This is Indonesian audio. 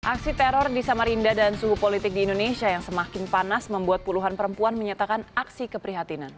aksi teror di samarinda dan suhu politik di indonesia yang semakin panas membuat puluhan perempuan menyatakan aksi keprihatinan